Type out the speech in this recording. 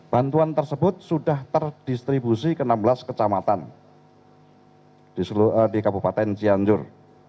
bantuan tersebut sudah terdistribusi ke enam belas kecamatan di kabupaten cianjur